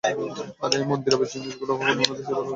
আর এই মন্দিরের জিনিসগুলো কখনোই অন্যদের চেয়ে ভালো ছিল না।